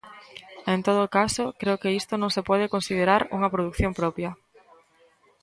En todo caso, creo que isto non se pode considerar unha produción propia.